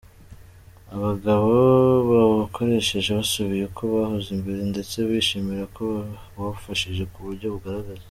Abagabo bawukoresheje basubiye uko bahoze mbere ndetse bishimira ko wabafashije kuburyo bugaragara.